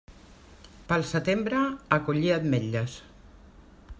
Pel setembre, a collir ametlles.